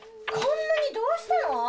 こんなにどうしたの？